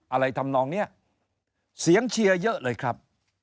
ทำนองนี้เสียงเชียร์เยอะเลยครับ